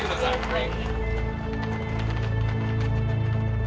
はい！